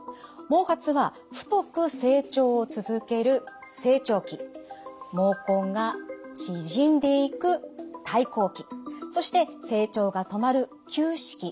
毛髪は太く成長を続ける成長期毛根が縮んでいく退行期そして成長が止まる休止期